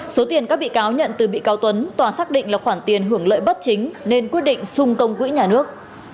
số tiền các bị cáo nhận từ bị cáo tuấn tòa xác định là khoản tiền hưởng lợi bất chính nên quyết định sung công quỹ nhà nước